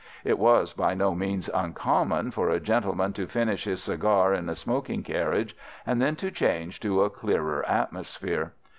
It was by no means uncommon for a gentleman to finish his cigar in a smoking carriage and then to change to a clearer atmosphere.